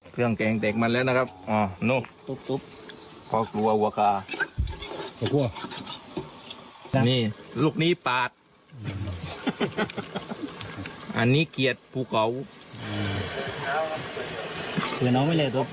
เครื่องแกงแตะมันแล้วนะครับอ่าหนูตุ๊บตุ๊บ